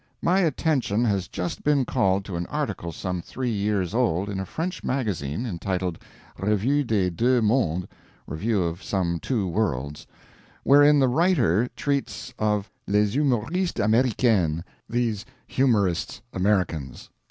My attention has just been called to an article some three years old in a French Magazine entitled, 'Revue des Deux Mondes' (Review of Some Two Worlds), wherein the writer treats of "Les Humoristes Americaines" (These Humorists Americans).